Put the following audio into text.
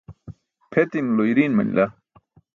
Pʰetinulo iriin manila.